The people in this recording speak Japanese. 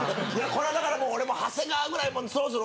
これはだからもう長谷川ぐらいそろそろね。